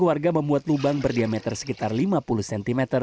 warga membuat lubang berdiameter sekitar lima puluh cm